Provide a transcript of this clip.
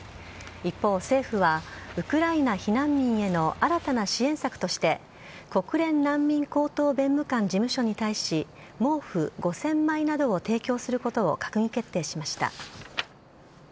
一方、政府はウクライナ避難民への新たな支援策として国連難民高等弁務官事務所に対し毛布５０００枚などを提供することを閣議決定しました。